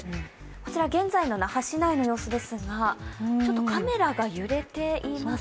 こちら現在の那覇市内の様子ですが、ちょっとカメラが揺れていますね。